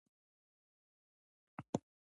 او د ټک ټاک د سپکو هم غټ کردار دے -